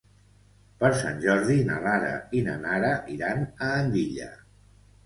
Per Sant Jordi na Lara i na Nara iran a Andilla.